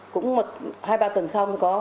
cũng hai ba tuần sau mới có